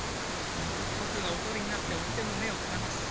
ボクがおとりになって追っ手の目をくらます。